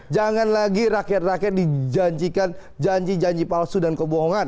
jangan lagi rakyat rakyat dijanjikan janji janji palsu dan kebohongan